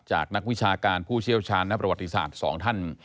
นักวิชาการผู้เชี่ยวชาญนักประวัติศาสตร์๒ท่าน